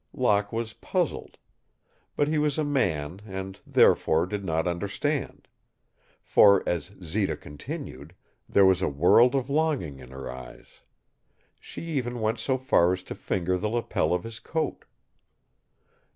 Locke was puzzled. But he was a man and, therefore, did not understand. For, as Zita continued, there was a world of longing in her eyes. She even went so far as to finger the lapel of his coat.